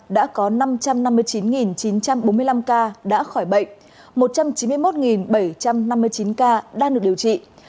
đã có năm trăm năm mươi chín chín trăm bốn mươi năm ca đã khỏi bệnh một trăm chín mươi một bảy trăm năm mươi chín ca đang được điều trị